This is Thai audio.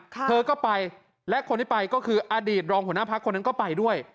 เธอก็ไปและคนที่ไปก็คืออดีตรองหัวหน้าพักคนนั้นก็ไปด้วย